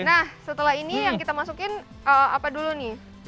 nah setelah ini yang kita masukin apa dulu nih